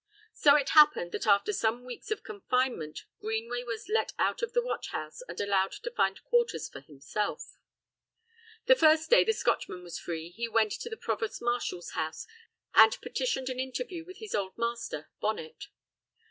So it happened, that after some weeks of confinement Greenway was let out of the watch house and allowed to find quarters for himself. The first day the Scotchman was free he went to the provost marshal's house and petitioned an interview with his old master, Bonnet.